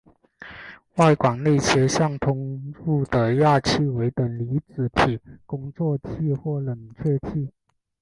外管内切向通入的氩气为等离子体工作气或冷却气。